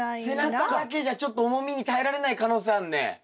背中だけじゃちょっと重みに耐えられない可能性あんね。